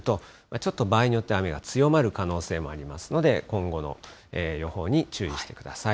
ちょっと場合によっては雨が強まる可能性もありますので、今後の予報に注意してください。